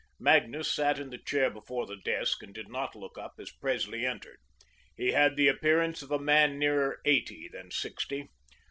Magnus sat in the chair before the desk and did not look up as Presley entered. He had the appearance of a man nearer eighty than sixty.